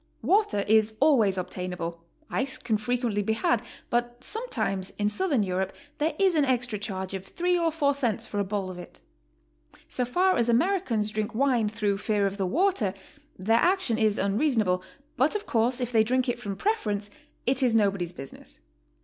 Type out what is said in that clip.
Water is always obtainable; ice can frequently be had, but sometimes in Southern Europe there is an extra charge of three or four cents for a bowl of it. So far as Americans drink wine through fear of the water, their action is unrea sonable, but of course if they drink it from preference, it is nobody's business.